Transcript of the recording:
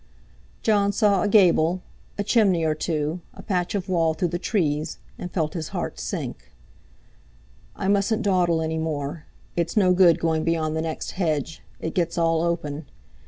Jon saw a gable, a chimney or two, a patch of wall through the trees—and felt his heart sink. "I mustn't dawdle any more. It's no good going beyond the next hedge, it gets all open.